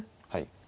はい。